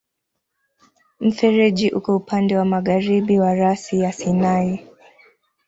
Mfereji uko upande wa magharibi wa rasi ya Sinai.